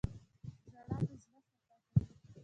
• ژړا د زړه صفا کوي.